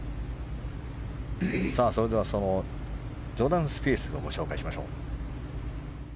それではジョーダン・スピースをご紹介しましょう。